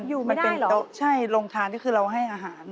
อยู่ไม่ได้เหรอใช่โรงทานที่คือเราให้อาหาร